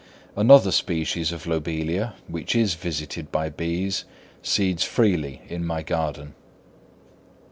Another species of Lobelia, which is visited by bees, seeds freely in my garden.